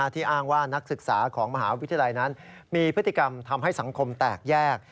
ที่อ้างว่านักศึกษาของมหาวิทยาลัยนั้นมีพฤติกรรมทำให้สังคมแตกแยก